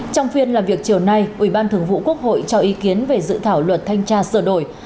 trong phiên làm việc chiều nay ủy ban thường vụ quốc hội cho ý kiến về dự thảo luật thanh tra sở đổi